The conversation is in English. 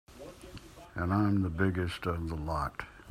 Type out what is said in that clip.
And I'm the biggest of the lot.